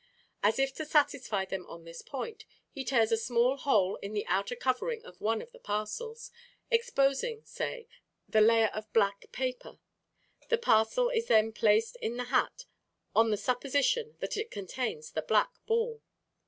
As if to satisfy them on this point, he tears a small hole in the outer covering of one of the parcels, exposing, say, the layer of black paper. The parcel is then placed in the hat on the supposition that it contains the black ball.